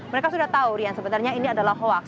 mereka sudah tahu rian sebenarnya ini adalah hoaks